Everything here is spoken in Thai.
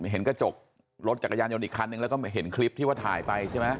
เห็นกระจกรถจักรยานยนต์อีกคันนึงแล้วก็เห็นคลิปที่ว่าถ่ายไปใช่ไหม